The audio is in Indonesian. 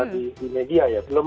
di media ya